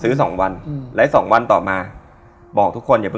เอาสิมาเชิญ